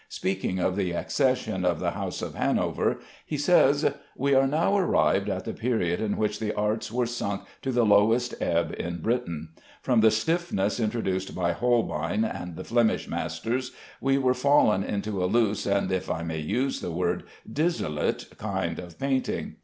Speaking of the accession of the House of Hanover, he says: "We are now arrived at the period in which the arts were sunk to the lowest ebb in Britain. From the stiffness introduced by Holbein and the Flemish masters we were fallen into a loose and (if I may use the word) dissolute kind of painting.